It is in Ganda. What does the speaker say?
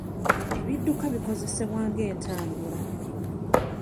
Ebidduka bikozesebwa ng'entambula.